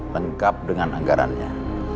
lengkap dengan anggarannya